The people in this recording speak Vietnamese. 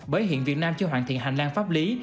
bởi hiện việt nam chưa hoàn thiện hành lang pháp lý